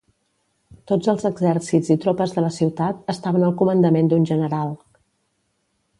Tots els exèrcits i tropes de la ciutat, estaven al comandament d'un general.